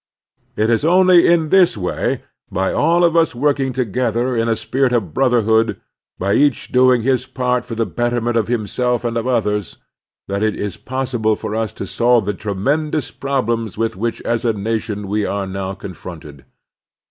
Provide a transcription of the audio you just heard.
It is only in this way, by all of tis working together in a spirit of brotherhood, by each doing his part for the betterment of himself and of others that it is possible for us to solve the tremendous problems with which as a nation we are now con fronted.